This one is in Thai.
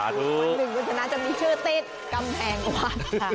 วันหนึ่งคุณชนะจะมีชื่อติ๊ดกำแพงวัด